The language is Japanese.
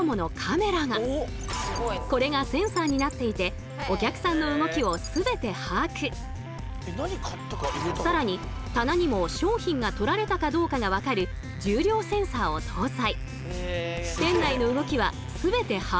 これがセンサーになっていて更に棚にも商品が取られたかどうかが分かる重量センサーを搭載。